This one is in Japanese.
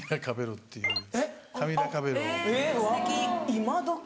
今どき。